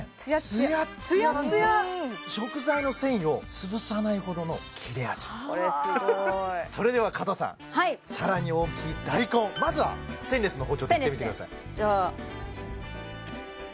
ツヤッツヤ食材の繊維を潰さないほどの切れ味これすごいそれでは加藤さんはい更に大きい大根まずはステンレスの包丁でいってみてくださいじゃああれっ